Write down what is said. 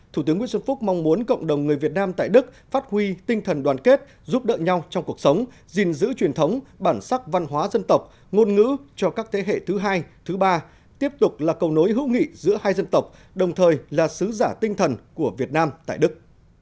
thủ tướng nguyễn xuân phúc mong muốn cộng đồng người việt nam tại đức phát huy tinh thần đoàn kết giúp đỡ nhau trong cuộc sống gìn giữ truyền thống bản sắc văn hóa dân tộc ngôn ngữ cho các thế hệ thứ hai thứ ba tiếp tục là cầu nối hữu nghị giữa hai dân tộc đồng thời là sứ giả tinh thần của việt nam tại đức